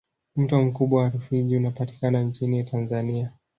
mto mkubwa wa rufiji unapatika nchini tanzania